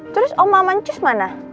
terus oma mancus mana